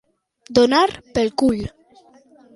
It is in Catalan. Donar pel cul.